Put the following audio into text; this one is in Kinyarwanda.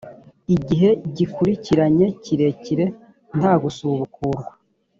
igihe gikurikiranye kirekire nta gusubukurwa